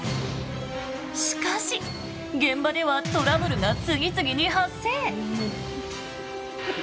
しかし現場ではトラブルが次々に発生！